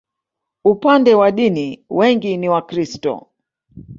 Upande wa dini, wengi ni Wakristo.